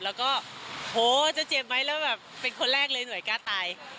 แล้วก็โหจะเจ็บไหมแล้วแบบเป็นคนแรกเลยหน่วยกล้าตาย